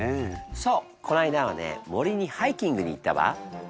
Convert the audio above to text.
そうこの間はね森にハイキングに行ったわ。